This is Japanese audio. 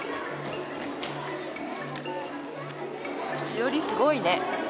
しおりすごいね。